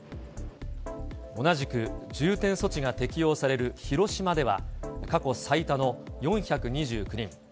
同じく重点措置が適用される広島では、過去最多の４２９人。